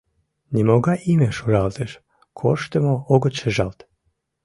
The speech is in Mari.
Нимогай име шуралтыш, корштымо огыт шижалт.